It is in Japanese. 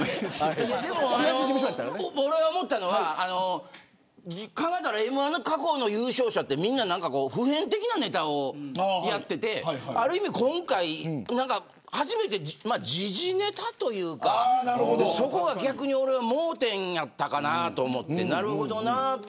俺が思ったのは考えたらＭ‐１の過去の優勝者って普遍的なネタをやっていて今回、初めて時事ネタというかそこが逆に俺は盲点やったかなと思って。